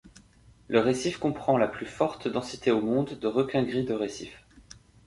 Le récif comprend la plus forte densité au monde de requins gris de récif.